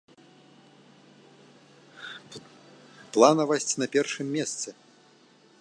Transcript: Планавасць на першым месцы!